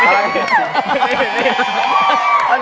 เยี่ยมมาก